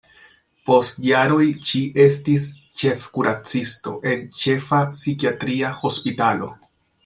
Post jaroj ŝi estis ĉefkuracisto en ĉefa psikiatria hospitalo.